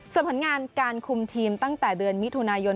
ส่วนผลงานการคุมทีมตั้งแต่เดือนมิถุนายน